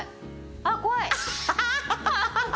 あっ怖い。